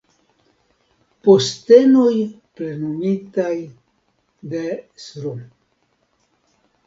Postenoj plenumitaj de Sro.